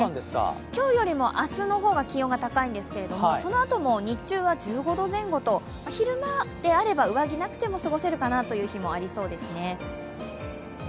今日よりも明日の方が気温が高いんですけど、そのあとも日中は１５度前後と昼間であれば上着がなくても過ごせるかなという日もありそうですね。